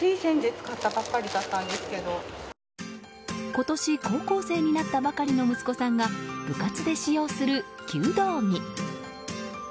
今年、高校生になったばかりの息子さんが部活で使用する弓道着。